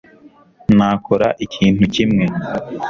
nakora ikintu kimwe